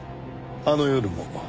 あの夜も？